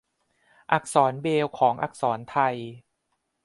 อักษรเบรลล์ของอักษรไทย